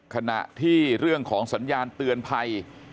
ขณะที่เรื่องของสัญญาณเตือนภัย